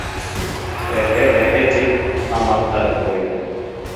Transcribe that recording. Эһе, эһе, — тип тамаҡ ҡырып ҡуйҙы.